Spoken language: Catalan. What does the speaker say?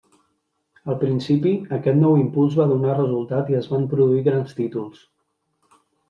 Al principi, aquest nou impuls va donar resultat i es van produir grans títols.